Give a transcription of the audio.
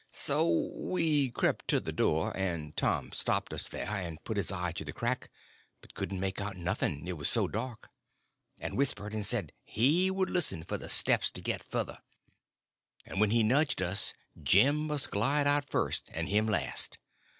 So we crept to the door, and Tom stopped us there and put his eye to the crack, but couldn't make out nothing, it was so dark; and whispered and said he would listen for the steps to get further, and when he nudged us Jim must glide out first, and him last.